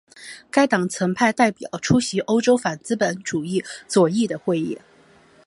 该党曾派代表出席欧洲反资本主义左翼的会议。